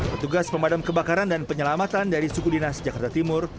petugas pemadam kebakaran dan penyelamatan dari suku dinas jakarta timur